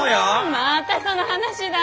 またその話だ。